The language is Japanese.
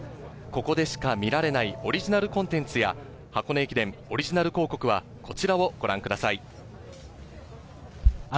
ここでしか見られないオリジナルコンテンツや箱根駅伝オリジナル広告は、こちらをご覧ください。